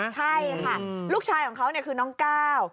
ใช่ค่ะลูกชายของเขาคือน้องก้าว